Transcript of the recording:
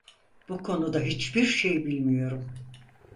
Bu konuda hiçbir şey bilmiyorum.